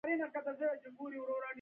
ټولې غوښتنې یې راسره ومنلې.